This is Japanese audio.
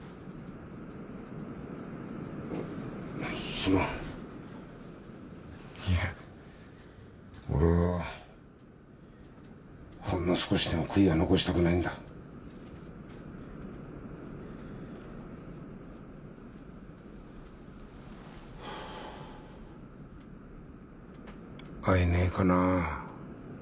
すまんいえ俺はほんの少しでも悔いは残したくないんだ会えねえかな